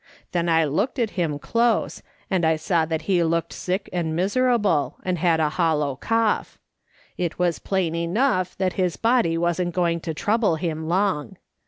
Then I looked at him close, and I saw that he looked sick and miserable, and had a hollow cough. It was plain enough that his body wasn't going to trouble him long.